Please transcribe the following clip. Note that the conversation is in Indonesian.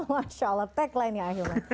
masya allah tagline ya ahilman